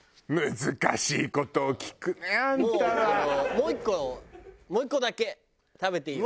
「もう１個もう１個だけ食べていいよ」。